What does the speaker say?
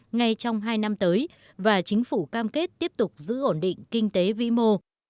ngay trong hai năm tới và chính phủ cam kết tiếp tục giữ ổn định kinh tế vĩ mô